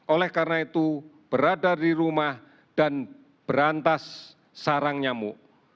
oleh karena itu berada di rumah dan berantas sarang nyamuk